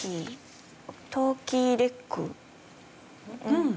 うん。